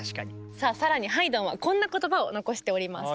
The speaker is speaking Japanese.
さあ更にハイドンはこんな言葉を残しております。